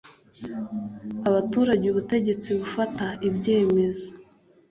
abaturage ubutegetsi bufata ibyemezo